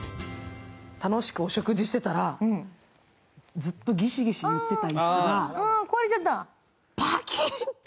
楽しくお食事してたら、ずっとギシギシいってた椅子がパキン。